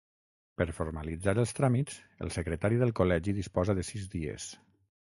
Per formalitzar els tràmits, el secretari del Col·legi disposa de sis dies.